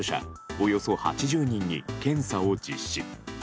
およそ８０人に検査を実施。